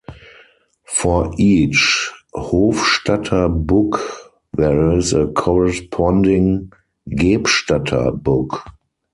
For each Hofstadter book, there is a corresponding Gebstadter book.